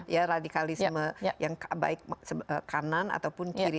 ya radikalisme yang baik kanan ataupun kiri